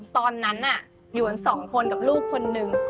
ตอนนั้นอยู่กันสองคนกับลูกคนนึง